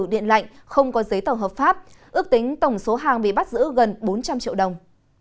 điện lạnh không có giấy tờ hợp pháp ước tính tổng số hàng bị bắt giữ gần bốn trăm linh triệu đồng